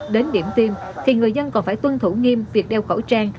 đến điểm tiêm thì người dân còn phải tuân thủ nghiêm việc đeo khẩu trang